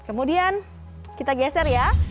kemudian kita geser ya